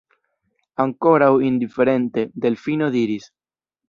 Ankoraŭ indiferente, Delfino diris: